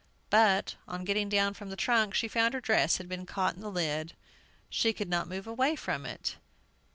But, on getting down from the trunk, she found her dress had been caught in the lid; she could not move away from it!